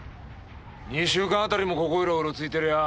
２週間あたりもここいらうろついてりゃ